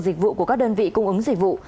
dịch vụ của các đơn vị cung ứng dịch vụ